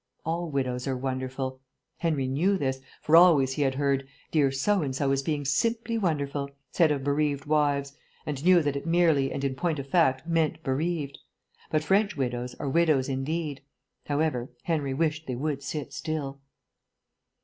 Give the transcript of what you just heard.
All widows are wonderful: Henry knew this, for always he had heard "Dear so and so is being simply wonderful" said of bereaved wives, and knew that it merely and in point of fact meant bereaved; but French widows are widows indeed. However, Henry wished they would sit still.